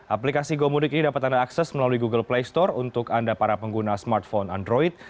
aplikasi gomudik ini dapat anda akses melalui google play store untuk anda para pengguna smartphone android